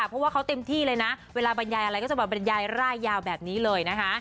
เพราะว่าเขาเต็มที่เลยนะเวลาบรรยายอะไรก็จะแบบบรรยายร่ายยาวแบบนี้เลยนะคะ